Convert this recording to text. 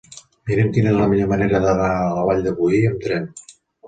Mira'm quina és la millor manera d'anar a la Vall de Boí amb tren.